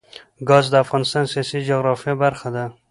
ګاز د افغانستان د سیاسي جغرافیه برخه ده.